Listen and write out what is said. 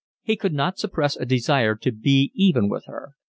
He could not suppress a desire to be even with her.